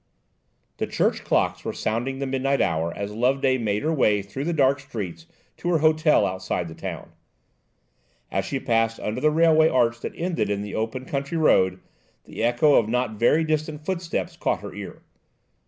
The church clocks were sounding the midnight hour as Loveday made her way through the dark streets to her hotel outside the town. As she passed under the railway arch that ended in the open country road, the echo of not very distant footsteps caught her ear.